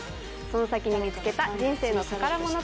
その先に見つけた人生の宝物とは？